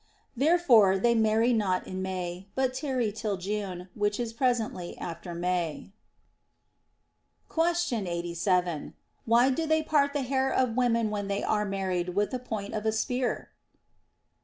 Therefore they marry not in May, but tarry till June, which is presently after May. Question 87. Why do they part the hair of women when they are married with the point of a spear